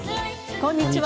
こんにちは。